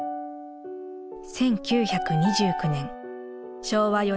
１９２９年昭和４年。